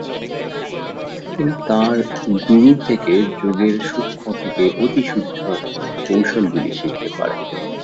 তিনি তাঁর গুরুর থেকে যোগের সূক্ষ্ম থেকে অতিসূক্ষ্ম কৌশলগুলি শিখতে পারেন।